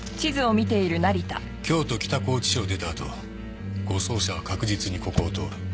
京都北拘置所を出たあと護送車は確実にここを通る。